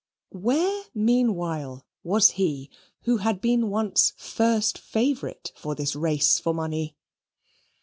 Where meanwhile was he who had been once first favourite for this race for money?